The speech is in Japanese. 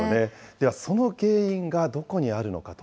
ではその原因がどこにあるのかと。